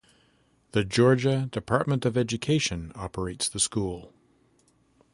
The Georgia Department of Education operates the school.